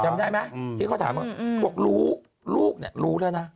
จำได้ไหมที่เขาถามว่าเขาบอกรู้ลูกเนี่ยรู้แล้วนะ